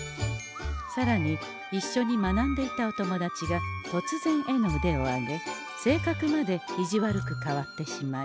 さらにいっしょに学んでいたお友達がとつぜん絵の腕を上げ性格まで意地悪く変わってしまい。